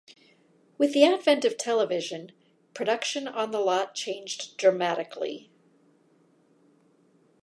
With the advent of television, production on the lot changed dramatically.